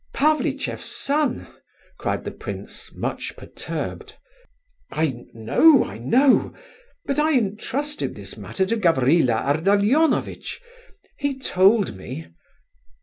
Pavlicheff's son!" cried the prince, much perturbed. "I know... I know—but I entrusted this matter to Gavrila Ardalionovitch. He told me..."